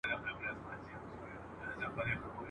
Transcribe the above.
د کنړ غرغړې اورم ننګرهار په سترګو وینم ..